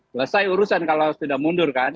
selesai urusan kalau sudah mundur kan